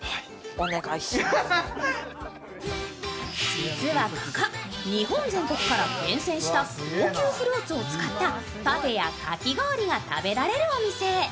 実はここ日本全国から厳選した高級スイーツを使ったパフェやかき氷が食べられるお店。